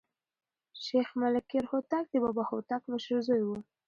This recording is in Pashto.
شېخ ملکیار هوتک د بابا هوتک مشر زوى وو.